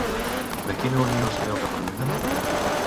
De quina unió es creu que provenen?